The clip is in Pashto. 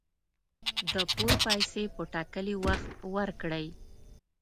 د پور پیسي په ټاکلي وخت ورکړئ